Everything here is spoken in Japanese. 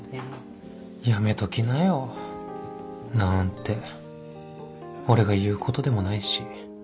やめときなよなんて俺が言うことでもないし